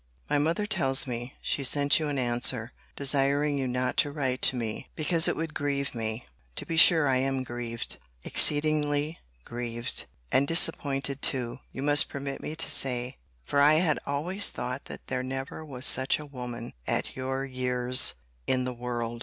My mother tells me, she sent you an answer, desiring you not to write to me, because it would grieve me. To be sure I am grieved; exceedingly grieved; and, disappointed too, you must permit me to say. For I had always thought that there never was such a woman, at your years, in the world.